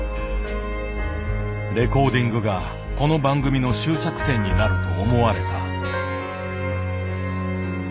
レコーディングがこの番組の終着点になると思われた。